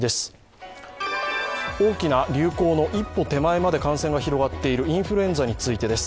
大きな流行の一歩手前まで感染が広がっているインフルエンザについてです。